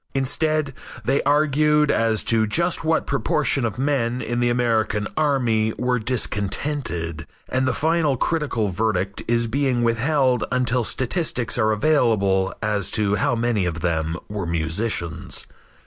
Instead they argued as to just what proportion of men in the American army were discontented, and the final critical verdict is being withheld until statistics are available as to how many of them were musicians.